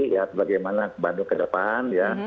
lihat bagaimana bandung ke depan ya